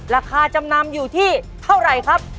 ราคาจำนำอยู่ที่เท่าไหร่ครับ